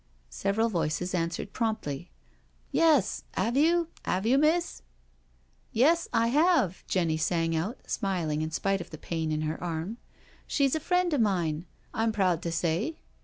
*" Several voices answered promptly, Yes — 'ave you? 'Ave you, miss? " Yes, I have,'* Jenny sang out, smiling in spite of the pain in her arm. " She's a friend of mine, I'm proud to say.